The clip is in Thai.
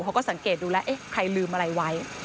เขาก็สังเกตดูแล้วเอ๊ะใครลืมอะไรไว้